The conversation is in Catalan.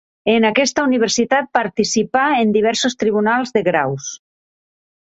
En aquesta universitat participà en diversos tribunals de graus.